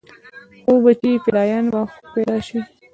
هو بچى فدايان به خود پيدا شي.